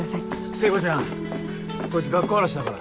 聖子ちゃんこいつ学校荒らしだから。